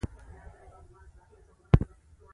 د شريف رنګ زېړ واوښت.